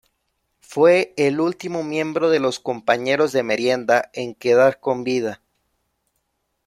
Fue el último miembro de los "compañeros de merienda" en quedar con vida.